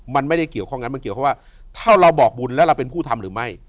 มันไม่ได้เกี่ยวข้องนั้นมันเกี่ยวข้องว่าถ้าเราบอกบุญแล้วเราเป็นผู้ทำหรือไม่